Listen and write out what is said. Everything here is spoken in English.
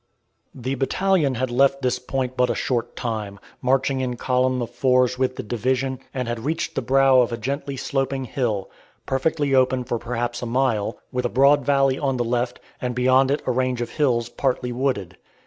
The battalion had left this point but a short time, marching in column of fours with the division, and had reached the brow of a gently sloping hill, perfectly open for perhaps a mile, with a broad valley on the left, and beyond it a range of hills partly wooded.